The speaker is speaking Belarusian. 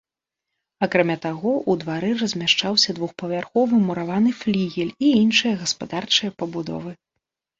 Акрамя таго, у двары размяшчаўся двухпавярховы мураваны флігель і іншыя гаспадарчыя пабудовы.